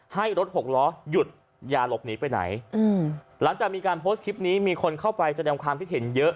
ให้รถหกล้อหยุดอย่าหลบหนีไปไหนอืมหลังจากมีการโพสต์คลิปนี้มีคนเข้าไปแสดงความคิดเห็นเยอะ